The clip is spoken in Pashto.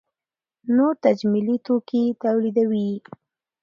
نور تجملي توکي تولیدوي.